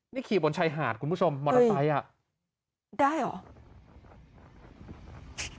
นี่ขี่บนชายหาดคุณผู้ชมมอรับไทส์ได้หรอ